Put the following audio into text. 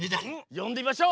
よんでみましょう！